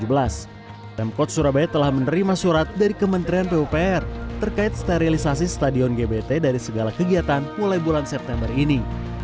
pemkot surabaya telah menerima surat dari kementerian pupr terkait sterilisasi stadion gbt dari segala kegiatan mulai bulan september ini